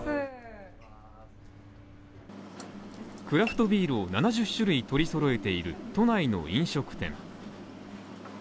クラフトビールを７０種類取り揃えている都内の飲食店。